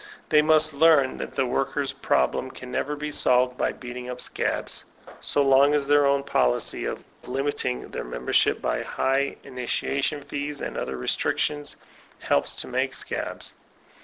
They must learn that the workers' problem can never be solved by beating up scabs, so long as their own policy of limiting their membership by high initia tion fees and other restrictions helps to make scabs.